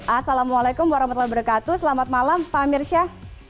assalamualaikum warahmatullahi wabarakatuh selamat malam pak amirsyah